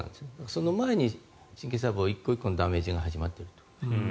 その前に神経細胞１個１個のダメージが始まっていると。